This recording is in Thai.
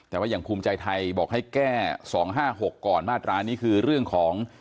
แต่ว่าอย่างภูมิใจไทยบอกให้แก้๒๕๖ก่อนมาตรานี้คือเรื่องของ